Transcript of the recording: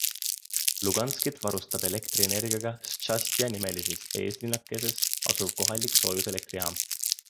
Luganskit varustab elektrienergiaga Štšastja-nimelises eeslinnakeses asuv kohalik soojuselektrijaam.